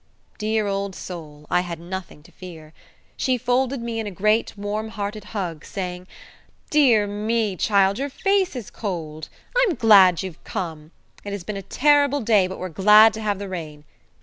Dear old soul, I had nothing to fear. She folded me in a great warm hearted hug, saying, "Dear me, child, your face is cold. I'm glad you've come. It has been a terrible day, but we're glad to have the rain.